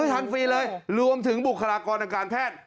ทันฟรีเลยรวมถึงบุคลากรทางการแพทย์